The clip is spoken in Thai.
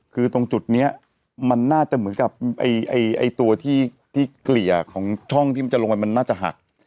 คือตรงจุดนี้มันน่าจะเหมือนกับตัวที่เกลี่ยของช่องที่มันจะลงไปมันน่าจะหัก